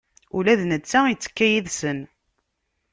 Ula d netta ittekka yid-sen.